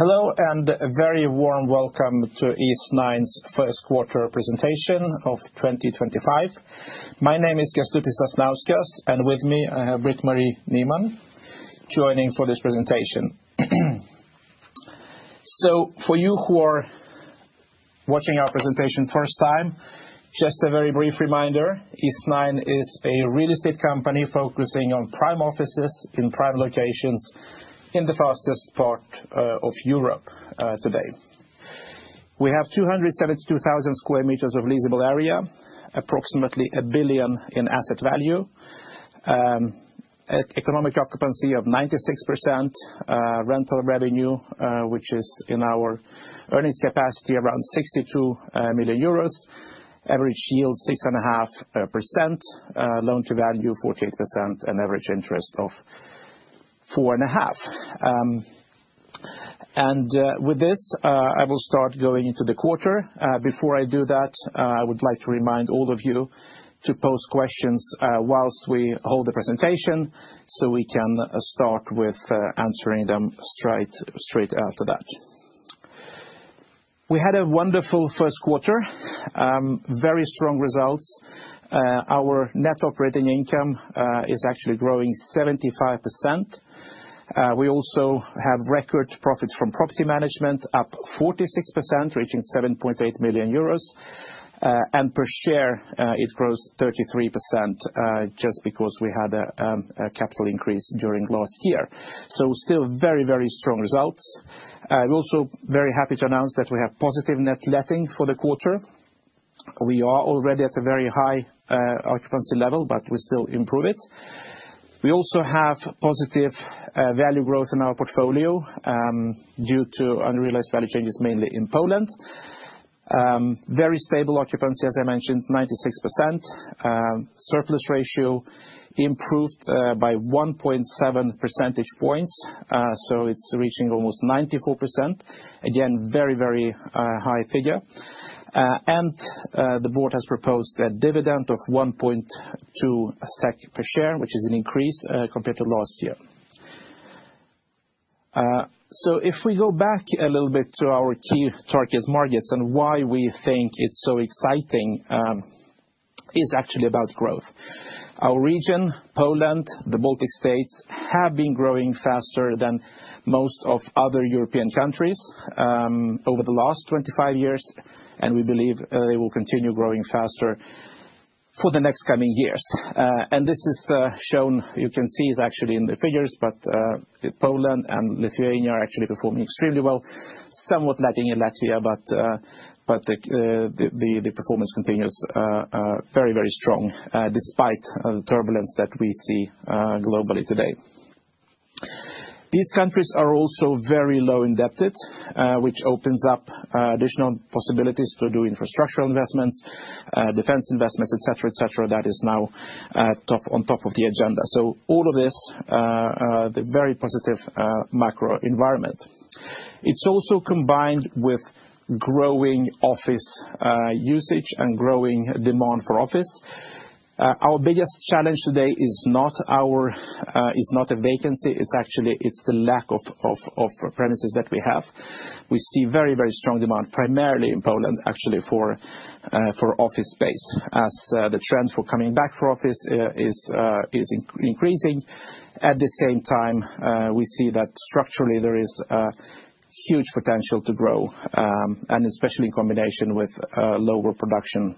Hello and a very warm welcome to Eastnine's First Quarter Presentation of 2025. My name is Kestutis Sasnauskas, and with me I have Britt-Marie Nyman joining for this presentation. For you who are watching our presentation for the first time, just a very brief reminder: Eastnine is a real estate company focusing on prime offices in prime locations in the fastest part of Europe today. We have 272,000 sq m of leasable area, approximately a billion in asset value, an economic occupancy of 96%, rental revenue, which is in our earnings capacity around 62 million euros, average yield 6.5%, loan to value 48%, and average interest of 4.5%. With this, I will start going into the quarter. Before I do that, I would like to remind all of you to post questions whilst we hold the presentation so we can start with answering them straight after that. We had a wonderful first quarter, very strong results. Our net operating income is actually growing 75%. We also have record profits from property management, up 46%, reaching 7.8 million euros, and per share it grows 33% just because we had a capital increase during last year. Still very, very strong results. We are also very happy to announce that we have positive net letting for the quarter. We are already at a very high occupancy level, but we still improve it. We also have positive value growth in our portfolio due to unrealized value changes mainly in Poland. Very stable occupancy, as I mentioned, 96%. Surplus ratio improved by 1.7 percentage points, so it is reaching almost 94%. Again, very, very high figure. The board has proposed a dividend of 1.2 SEK per share, which is an increase compared to last year. If we go back a little bit to our key target markets and why we think it's so exciting, it's actually about growth. Our region, Poland, the Baltic states have been growing faster than most other European countries over the last 25 years, and we believe they will continue growing faster for the next coming years. This is shown, you can see it actually in the figures, but Poland and Lithuania are actually performing extremely well, somewhat letting in Latvia, but the performance continues very, very strong despite the turbulence that we see globally today. These countries are also very low indebted, which opens up additional possibilities to do infrastructure investments, defense investments, etc., etc. That is now on top of the agenda. All of this, the very positive macro environment, is also combined with growing office usage and growing demand for office. Our biggest challenge today is not a vacancy, it's actually the lack of premises that we have. We see very, very strong demand, primarily in Poland, actually for office space, as the trend for coming back for office is increasing. At the same time, we see that structurally there is huge potential to grow, and especially in combination with lower production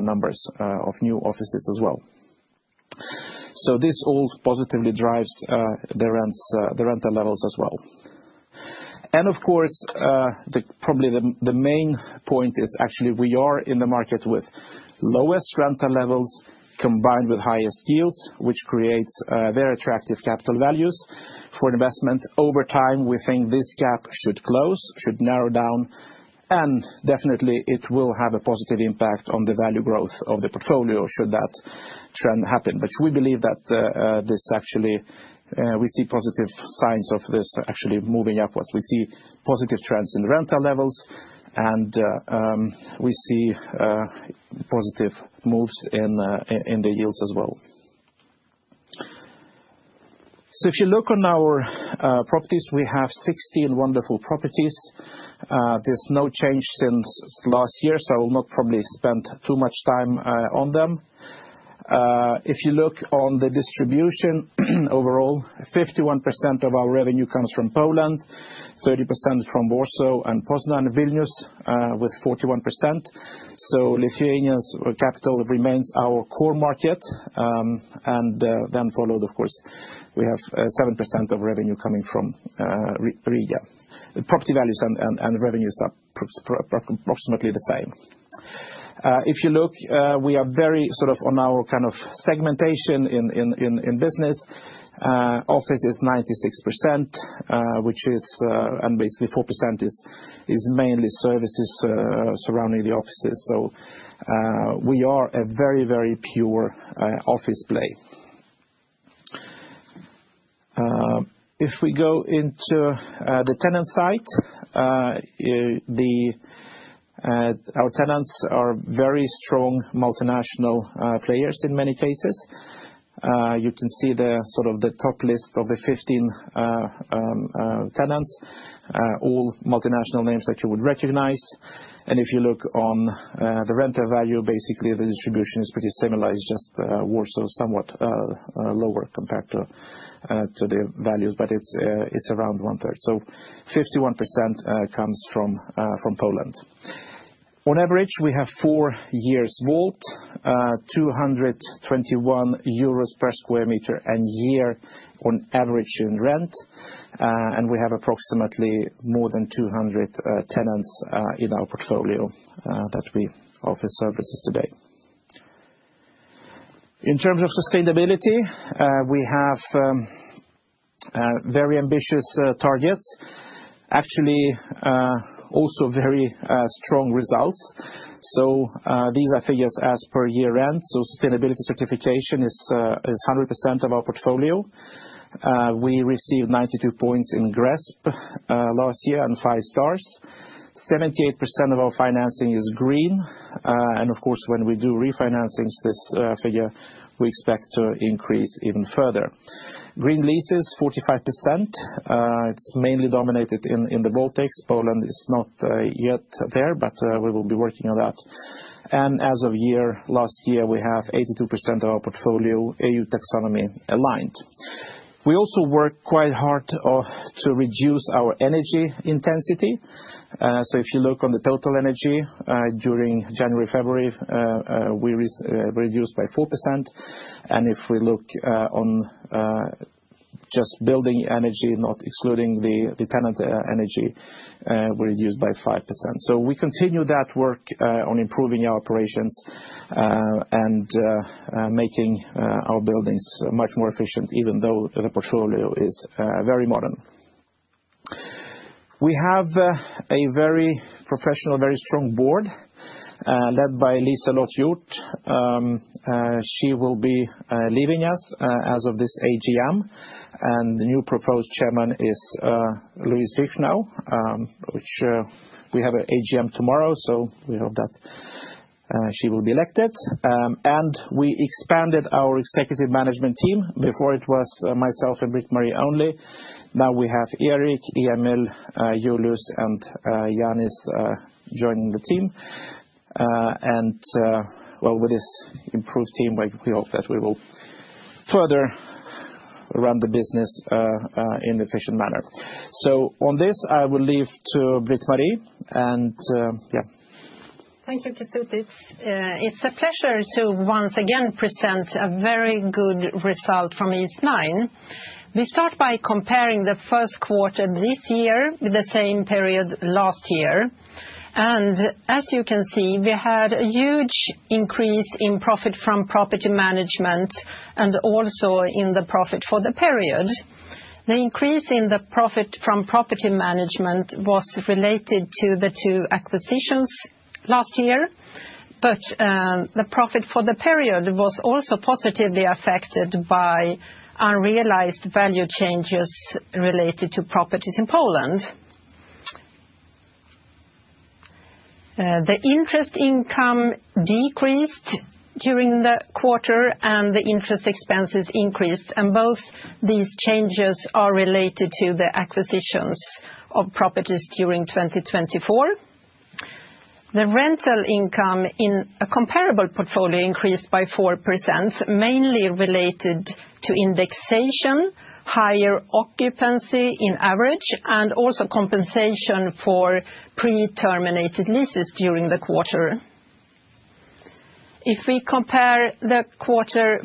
numbers of new offices as well. This all positively drives the rental levels as well. Of course, probably the main point is actually we are in the market with lowest rental levels combined with highest yields, which creates very attractive capital values for investment. Over time, we think this gap should close, should narrow down, and definitely it will have a positive impact on the value growth of the portfolio should that trend happen. We believe that this actually, we see positive signs of this actually moving upwards. We see positive trends in rental levels, and we see positive moves in the yields as well. If you look on our properties, we have 16 wonderful properties. There is no change since last year, so I will not probably spend too much time on them. If you look on the distribution overall, 51% of our revenue comes from Poland, 30% from Warsaw and Poznań, Vilnius with 41%. Lithuania's capital remains our core market, and then followed, of course, we have 7% of revenue coming from Riga. Property values and revenues are approximately the same. If you look, we are very sort of on our kind of segmentation in business. Office is 96%, which is, and basically 4% is mainly services surrounding the offices. We are a very, very pure office play. If we go into the tenant side, our tenants are very strong multinational players in many cases. You can see the sort of the top list of the 15 tenants, all multinational names that you would recognize. If you look on the rental value, basically the distribution is pretty similar. It is just Warsaw somewhat lower compared to the values, but it is around 1/3. 51% comes from Poland. On average, we have four years WAULT, 221 euros per sq m and year on average in rent. We have approximately more than 200 tenants in our portfolio that we offer services today. In terms of sustainability, we have very ambitious targets, actually also very strong results. These are figures as per year rent. Sustainability certification is 100% of our portfolio. We received 92 points in GRESB last year and five stars. 78% of our financing is green. Of course, when we do refinancings, this figure we expect to increase even further. Green leases, 45%. It is mainly dominated in the Baltics. Poland is not yet there, but we will be working on that. As of last year, we have 82% of our portfolio EU taxonomy aligned. We also work quite hard to reduce our energy intensity. If you look on the total energy during January-February, we reduced by 4%. If we look on just building energy, not excluding the tenant energy, we reduced by 5%. We continue that work on improving our operations and making our buildings much more efficient, even though the portfolio is very modern. We have a very professional, very strong board led by Liselotte Hjorth. She will be leaving us as of this AGM. The new proposed chairman is Louise Richnau, which we have an AGM tomorrow, so we hope that she will be elected. We expanded our executive management team. Before it was myself and Britt-Marie only. Now we have Erik, Emil, Julius, and Janis joining the team. With this improved team, we hope that we will further run the business in an efficient manner. On this, I will leave to Britt-Marie and yeah. Thank you, Kestutis. It's a pleasure to once again present a very good result from Eastnine. We start by comparing the first quarter this year with the same period last year. As you can see, we had a huge increase in profit from property management and also in the profit for the period. The increase in the profit from property management was related to the two acquisitions last year, but the profit for the period was also positively affected by unrealized value changes related to properties in Poland. The interest income decreased during the quarter and the interest expenses increased, and both these changes are related to the acquisitions of properties during 2024. The rental income in a comparable portfolio increased by 4%, mainly related to indexation, higher occupancy in average, and also compensation for pre-terminated leases during the quarter. If we compare the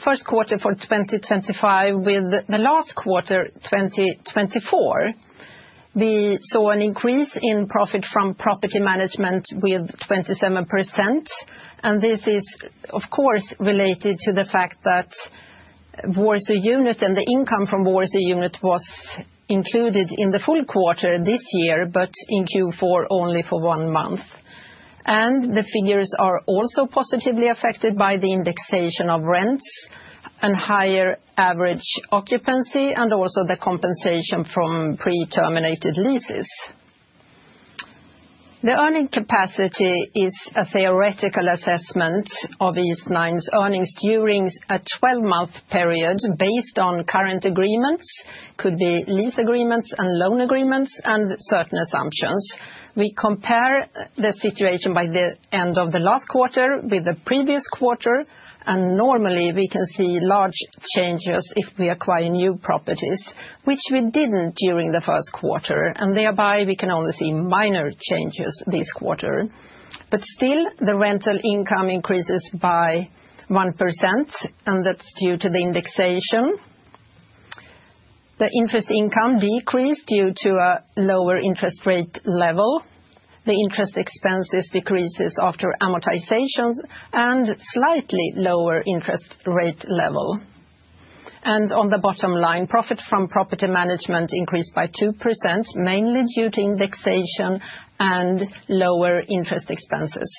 first quarter for 2025 with the last quarter 2024, we saw an increase in profit from property management with 27%. This is, of course, related to the fact that Warsaw Unit and the income from Warsaw Unit was included in the full quarter this year, but in Q4 only for one month. The figures are also positively affected by the indexation of rents, a higher average occupancy, and also the compensation from pre-terminated leases. The earning capacity is a theoretical assessment of Eastnine's earnings during a 12-month period based on current agreements, could be lease agreements and loan agreements, and certain assumptions. We compare the situation by the end of the last quarter with the previous quarter, and normally we can see large changes if we acquire new properties, which we did not during the first quarter, and thereby we can only see minor changes this quarter. Still, the rental income increases by 1%, and that is due to the indexation. The interest income decreased due to a lower interest rate level. The interest expenses decreased after amortizations and slightly lower interest rate level. On the bottom line, profit from property management increased by 2%, mainly due to indexation and lower interest expenses.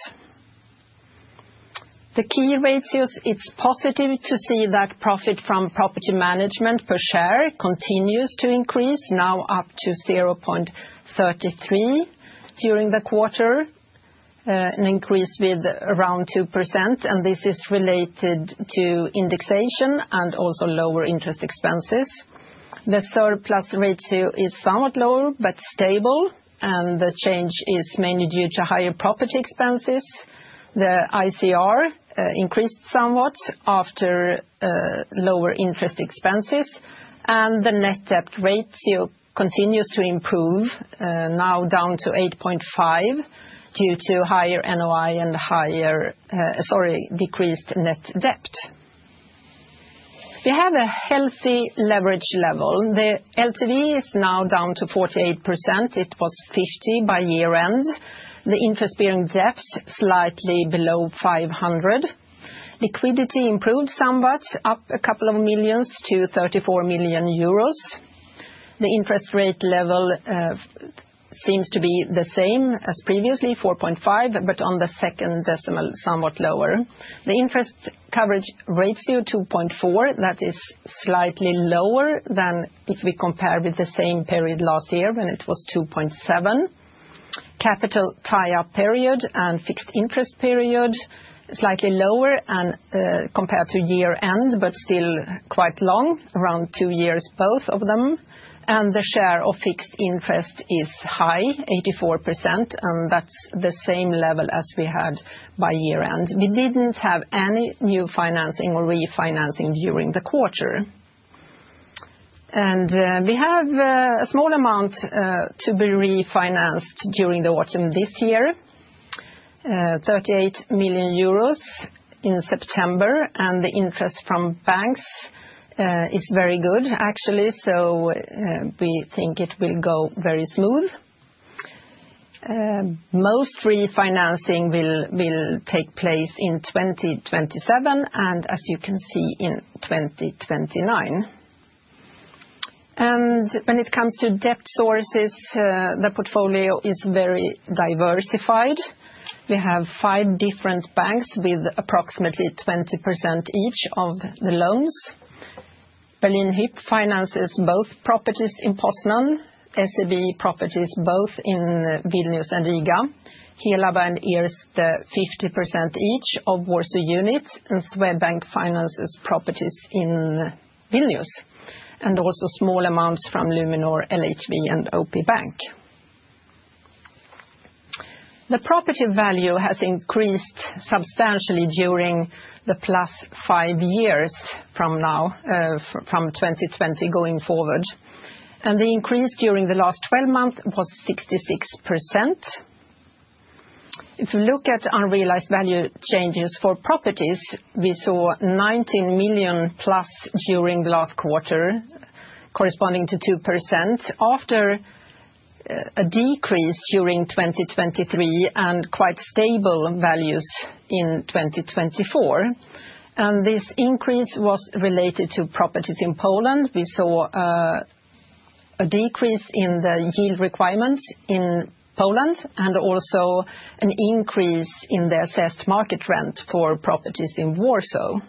The key ratios, it is positive to see that profit from property management per share continues to increase, now up to 0.33 during the quarter, an increase with around 2%, and this is related to indexation and also lower interest expenses. The surplus ratio is somewhat lower but stable, and the change is mainly due to higher property expenses. The ICR increased somewhat after lower interest expenses, and the net debt ratio continues to improve, now down to 8.5 due to higher NOI and decreased net debt. We have a healthy leverage level. The LTV is now down to 48%. It was 50% by year-end. The interest-bearing debt is slightly below 500 million. Liquidity improved somewhat, up a couple of millions to 34 million euros. The interest rate level seems to be the same as previously, 4.5%, but on the second decimal, somewhat lower. The interest coverage ratio is 2.4%. That is slightly lower than if we compare with the same period last year when it was 2.7%. Capital tie-up period and fixed interest period are slightly lower compared to year-end, but still quite long, around two years, both of them. The share of fixed interest is high, 84%, and that's the same level as we had by year-end. We didn't have any new financing or refinancing during the quarter. We have a small amount to be refinanced during the autumn this year, 38 million euros in September, and the interest from banks is very good, actually, so we think it will go very smooth. Most refinancing will take place in 2027 and, as you can see, in 2029. When it comes to debt sources, the portfolio is very diversified. We have five different banks with approximately 20% each of the loans. Berlin Hyp finances both properties in Poznań, SEB properties both in Vilnius and Riga. Helaba and Erste, 50% each of Warsaw Units, and Swedbank finances properties in Vilnius, and also small amounts from Luminor, LHV, and OP Bank. The property value has increased substantially during the +5 years from now, from 2020 going forward. The increase during the last 12 months was 66%. If we look at unrealized value changes for properties, we saw 19 million+ during the last quarter, corresponding to 2%, after a decrease during 2023 and quite stable values in 2024. This increase was related to properties in Poland. We saw a decrease in the yield requirements in Poland and also an increase in the assessed market rent for properties in Warsaw.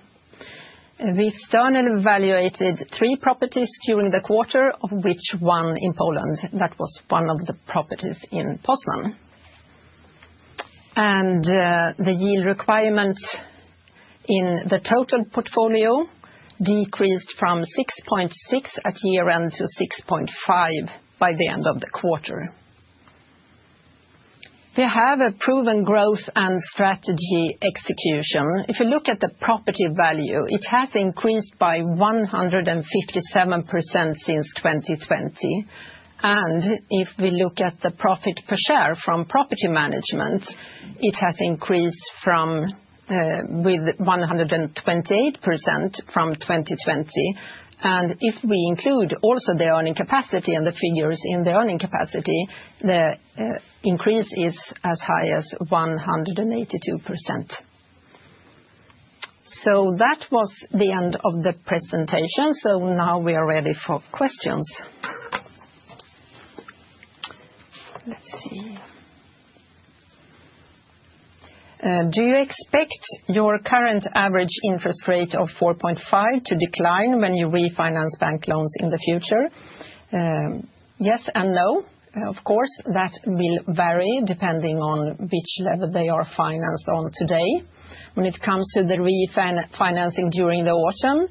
We externally valuated three properties during the quarter, of which one in Poland. That was one of the properties in Poznań. The yield requirement in the total portfolio decreased from 6.6% at year-end to 6.5% by the end of the quarter. We have a proven growth and strategy execution. If you look at the property value, it has increased by 157% since 2020. If we look at the profit per share from property management, it has increased with 128% from 2020. If we include also the earning capacity and the figures in the earning capacity, the increase is as high as 182%. That was the end of the presentation. Now we are ready for questions. Let's see. Do you expect your current average interest rate of 4.5% to decline when you refinance bank loans in the future? Yes and no. Of course, that will vary depending on which level they are financed on today. When it comes to the refinancing during the autumn,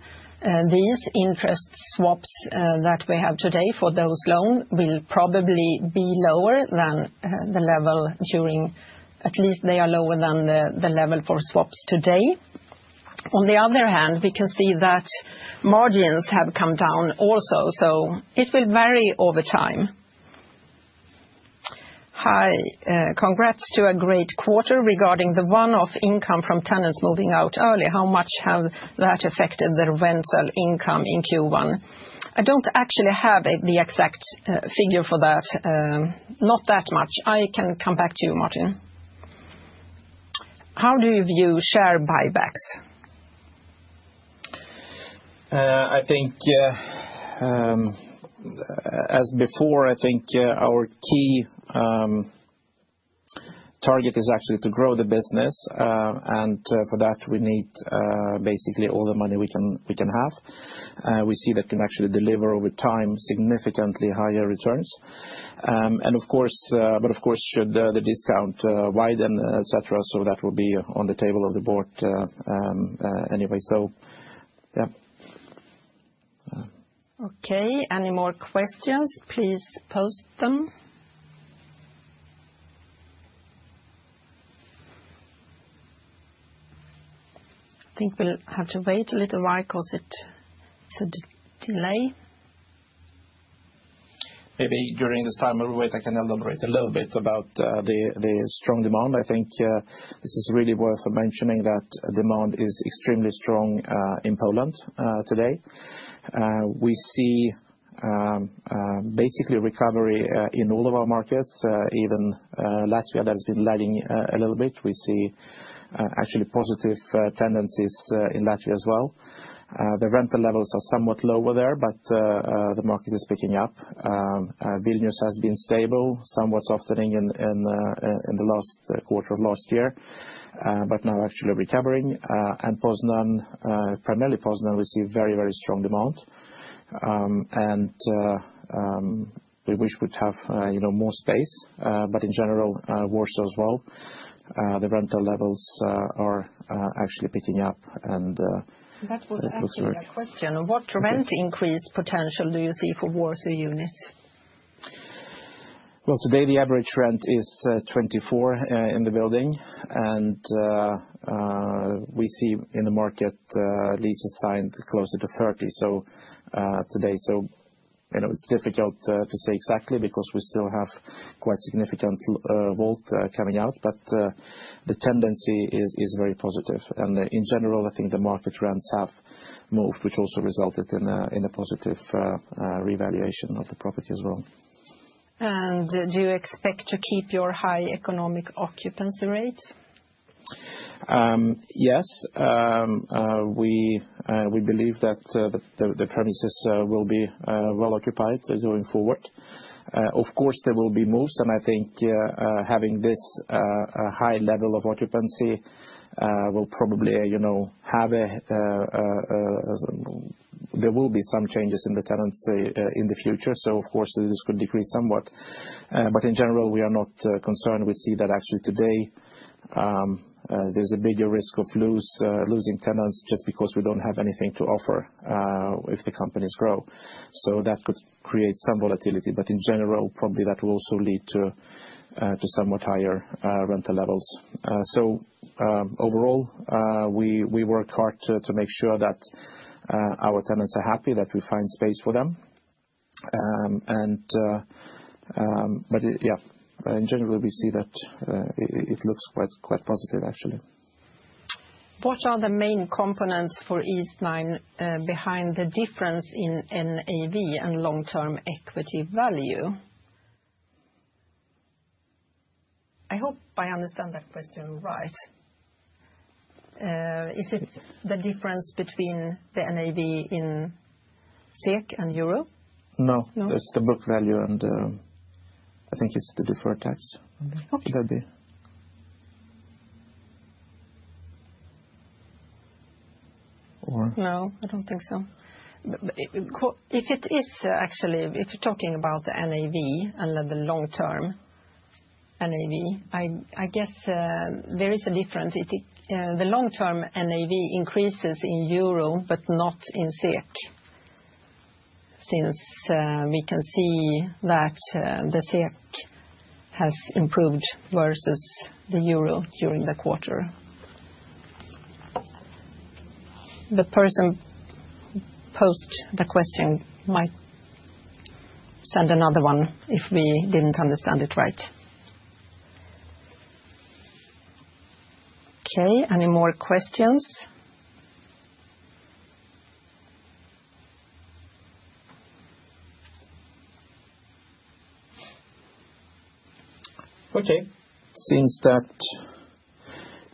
these interest swaps that we have today for those loans will probably be lower than the level during, at least they are lower than the level for swaps today. On the other hand, we can see that margins have come down also, so it will vary over time. Hi, congrats to a great quarter regarding the one-off income from tenants moving out early. How much has that affected the rental income in Q1? I don't actually have the exact figure for that, not that much. I can come back to you, Martin. How do you view share buybacks? I think, as before, I think our key target is actually to grow the business, and for that, we need basically all the money we can have. We see that can actually deliver over time significantly higher returns. Of course, should the discount widen, etc., that will be on the table of the board anyway. Yeah. Okay, any more questions? Please post them. I think we'll have to wait a little while because it's a delay. Maybe during this time we'll wait, I can elaborate a little bit about the strong demand. I think this is really worth mentioning that demand is extremely strong in Poland today. We see basically recovery in all of our markets, even Latvia that has been lagging a little bit. We see actually positive tendencies in Latvia as well. The rental levels are somewhat lower there, but the market is picking up. Vilnius has been stable, somewhat softening in the last quarter of last year, but now actually recovering. Poznań, primarily Poznań, we see very, very strong demand. We wish we'd have more space, but in general, Warsaw as well. The rental levels are actually picking up and that looks very good. That was actually a question. What rent increase potential do you see for Warsaw Units? Today the average rent is 24 in the building, and we see in the market leases signed closer to 30 today. It is difficult to say exactly because we still have quite significant WAULT coming out, but the tendency is very positive. In general, I think the market rents have moved, which also resulted in a positive revaluation of the property as well. Do you expect to keep your high economic occupancy rate? Yes, we believe that the premises will be well occupied going forward. Of course, there will be moves, and I think having this high level of occupancy will probably have a, there will be some changes in the tenancy in the future. Of course, this could decrease somewhat. In general, we are not concerned. We see that actually today there's a bigger risk of losing tenants just because we do not have anything to offer if the companies grow. That could create some volatility. In general, probably that will also lead to somewhat higher rental levels. Overall, we work hard to make sure that our tenants are happy, that we find space for them. In general, we see that it looks quite positive, actually. What are the main components for Eastnine behind the difference in NAV and long-term equity value? I hope I understand that question right. Is it the difference between the NAV in SEK and euro? No, it's the book value, and I think it's the deferred tax. Okay. Could that be? No, I don't think so. If it is actually, if you're talking about the NAV and the long-term NAV, I guess there is a difference. The long-term NAV increases in euro, but not in SEK, since we can see that the SEK has improved versus the euro during the quarter. The person post the question might send another one if we didn't understand it right. Okay, any more questions? Okay, it seems that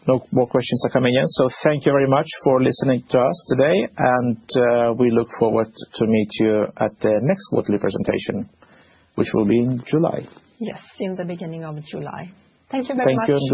no more questions are coming in. Thank you very much for listening to us today, and we look forward to meeting you at the next quarterly presentation, which will be in July. Yes, in the beginning of July. Thank you very much.